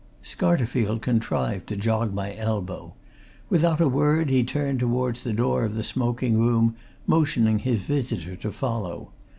Scarterfield contrived to jog my elbow. Without a word, he turned towards the door of the smoking room, motioning his visitor to follow.